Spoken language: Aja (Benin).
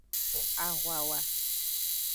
Ahwawa.